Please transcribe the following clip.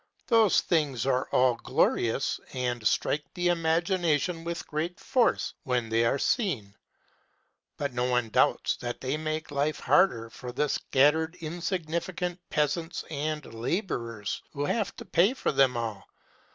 Those things are all glorious, and strike the imagination with great force when they are seen; but no one doubts that they make life harder for the scattered insignificant peasants and laborers who have to pay for them all.